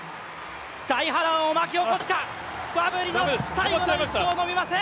大波乱を巻き起こすか、ファブリの最後の一投は伸びません。